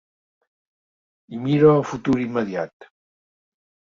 I mira al futur immediat.